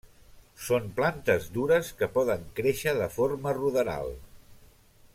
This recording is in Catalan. Són plantes dures que poden créixer de forma ruderal.